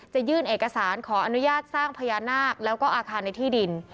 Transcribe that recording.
ยื่นเอกสารขออนุญาตสร้างพญานาคแล้วก็อาคารในที่ดิน